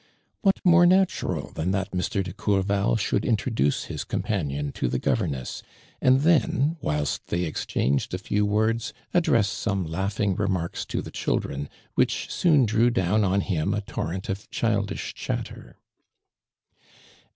What more natural tiian that Mr. de Coiu val should introduce his companion to the governess; and then, whilst they exchanged a i'ew words, address some laughing remarks to the children, which soon drew down on him a torrent of childish cliHtter.